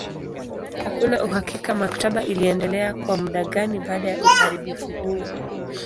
Hakuna uhakika maktaba iliendelea kwa muda gani baada ya uharibifu huo.